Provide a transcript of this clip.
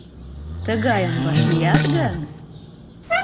Тыгайым вашлият гын!..»